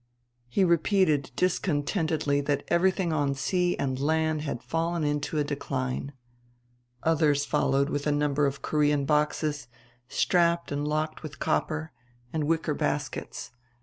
He repeated discontentedly that everything on sea and land had fallen into a decline. Others followed with a number of Korean boxes, strapped and locked with copper, and wicker baskets.